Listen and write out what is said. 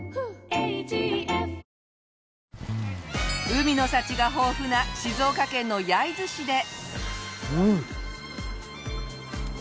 海の幸が豊富な静岡県の焼津市で。